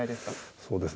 そうですね。